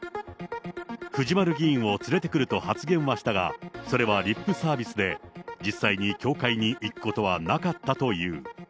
藤丸議員を連れてくると、発言はしたが、それはリップサービスで、実際に教会に行くことはなかったという。